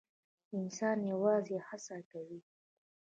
انسان یوازې هڅه کوي